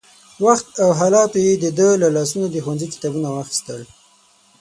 وخت او حالاتو يې د ده له لاسونو د ښوونځي کتابونه واخيستل.